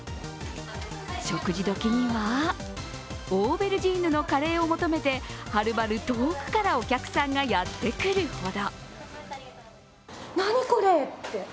食事時には、オーベルジーヌのカレーを求めてはるばる遠くからお客さんがやってくるほど。